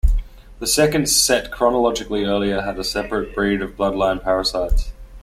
The second, set chronologically earlier, had a separate breed of Bloodlines parasites.